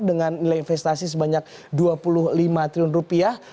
dengan nilai investasi sebanyak dua puluh lima triliun rupiah